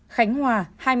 khánh hòa hai mươi tám